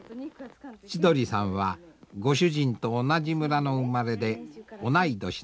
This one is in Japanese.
ちどりさんはご主人と同じ村の生まれで同い年の２５歳です。